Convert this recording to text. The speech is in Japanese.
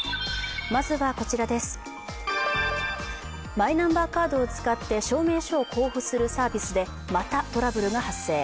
マイナンバーカードを使って証明書を交付するサービスでまたトラブルが発生。